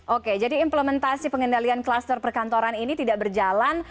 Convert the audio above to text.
oke jadi implementasi pengendalian kluster perkantoran ini tidak berjalan